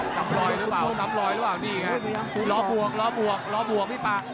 ซ้ำรอยหรือเปล่าซ้ำรอยหรือเปล่านี่ไงรอบวกรอบวกรอบวกพี่ปาก